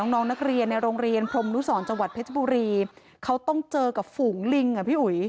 น้องนักเรียนในโรงเรียนพรมนุสรจังหวัดเพชรบุรีเขาต้องเจอกับฝูงลิงอ่ะพี่อุ๋ย